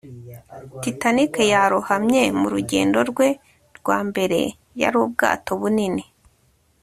titanic yarohamye mu rugendo rwe rwa mbere yari ubwato bunini